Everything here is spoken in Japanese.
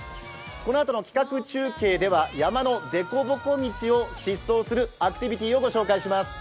このあとの企画中継では山の凸凹道を疾走するアクティビティーをご紹介します。